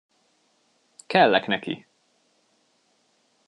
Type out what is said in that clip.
Kellek neki!